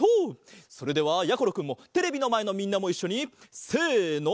それではやころくんもテレビのまえのみんなもいっしょにせの。